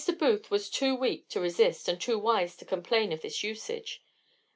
Booth was too weak to resist and too wise to complain of this usage.